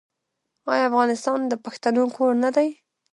آیا افغانستان د پښتنو کور نه دی؟